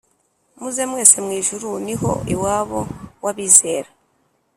muze mwese mwijuru niho iwabo wabizera